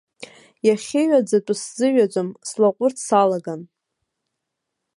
Иахьыҩаӡатәу сзыҩаӡом, слаҟәырц салаган.